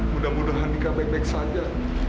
mudah mudahan nikah baik baik saja